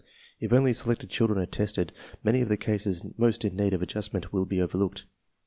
If only selected children are tested, many of the cases most in need of adjustment will be overlooked.